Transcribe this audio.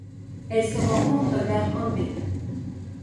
Elle se rencontre vers Humbe.